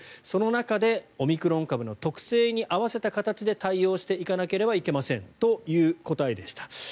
その中でオミクロン株の特性に合わせた形で対応していかなければいけませんという答えでした。